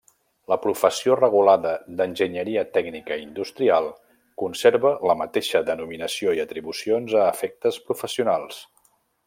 La professió regulada d'Enginyeria Tècnica Industrial conserva la mateixa denominació i atribucions a efectes professionals.